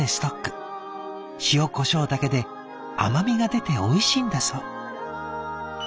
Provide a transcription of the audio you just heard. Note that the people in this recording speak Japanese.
塩こしょうだけで甘みが出ておいしいんだそう」。